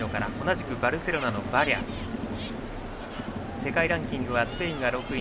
世界ランキングはスペインが６位。